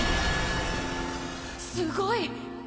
すごい！